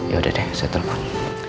yaudah deh saya terbang